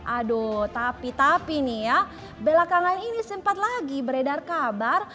aduh tapi tapi nih ya belakangan ini sempat lagi beredar kabar